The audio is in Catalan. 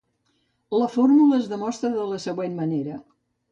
La fórmula es demostra de la següent manera.